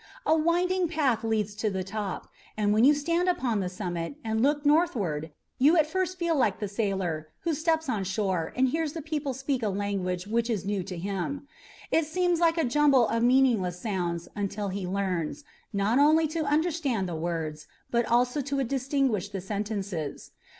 A winding path leads to the top, and when you stand upon the summit and look northward you at first feel like the sailor who steps on shore and hears the people speak a language which is new to him. It seems like a jumble of meaningless sounds until he learns, not only to understand the words, but also to distinguish the sentences.